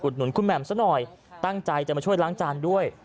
หนุนคุณแหม่มซะหน่อยตั้งใจจะมาช่วยล้างจานด้วย